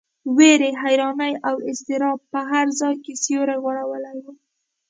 وېرې، حیرانۍ او اضطراب په هر ځای کې سیوری غوړولی و.